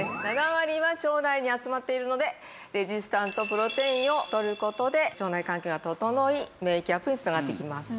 ７割は腸内に集まっているのでレジスタントプロテインをとる事で腸内環境が整い免疫アップに繋がっていきます。